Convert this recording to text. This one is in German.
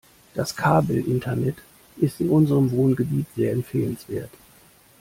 Das Kabelinternet ist in unserem Wohngebiet sehr empfehlenswert.